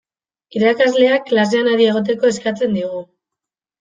Irakasleak klasean adi egoteko eskatzen digu.